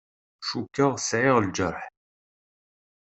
Cukkeɣ sɛiɣ lǧerḥ.